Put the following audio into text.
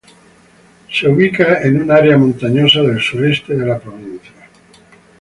Se ubica en un área montañosa del sureste de la provincia.